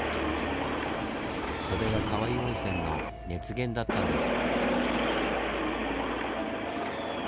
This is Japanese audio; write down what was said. それが川湯温泉の熱源だったんです。